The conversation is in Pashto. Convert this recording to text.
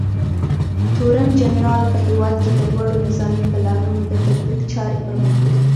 تورنجنرال په هېواد کې د لوړو نظامي پلانونو د تطبیق چارې پرمخ وړي.